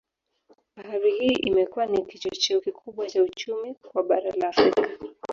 Bahari hii imekuwa ni kichocheo kikubwa cha uchumi kwa bara la Afrika